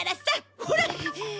ほら！